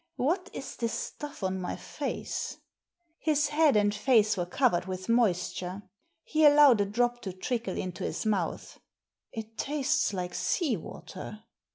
What is this stuff on my face ?" His head and face were covered with moisture. He allowed a drop to trickle into his mouth. *' It tastes like sea water.